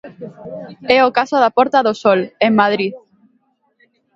É o caso da Porta do Sol, en Madrid.